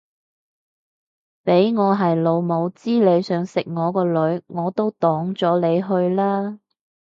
俾我係老母知你想食我個女我都擋咗你去啦